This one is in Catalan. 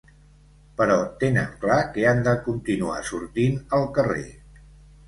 Però tenen clar que han de continuar sortint al carrer.